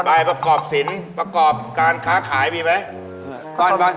ประกอบศิลป์ประกอบการค้าขายมีไหม